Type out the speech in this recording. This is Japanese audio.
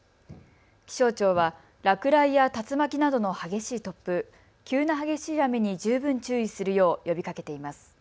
気象庁は落雷や竜巻などの激しい突風、急な激しい雨に十分注意するよう呼びかけています。